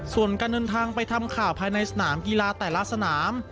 ส่วนการเดินทางไปทำข่าวภายในสนามกีฬาแต่ละสนาม